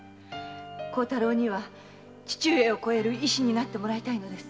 孝太郎には父上をこえる医師になってもらいたいのです〕